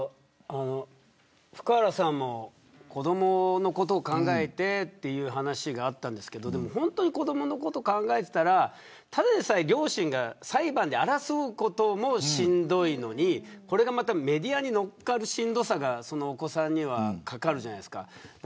福原さんも子どものことを考えてという話があったんですけど本当に子どものことを考えてたらただでさえ両親が裁判で争うこともしんどいのにこれがまたメディアに乗っかるしんどさがお子さんにはかかるじゃないですか。